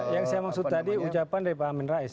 yang saya maksud tadi ucapan dari pak amin rais